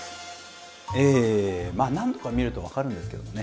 何度か見るとわかるんですけどね